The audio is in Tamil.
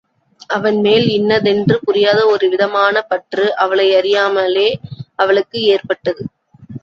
அவன் மேல் இன்னதென்று புரியாத ஒரு விதமான பற்று அவளையறியாமலே அவளுக்கு ஏற்பட்டது.